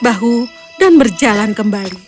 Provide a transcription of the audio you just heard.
bahu dan berjalan kembali